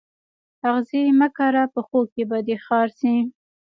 آغزي مه کره په پښو کي به دي خار سي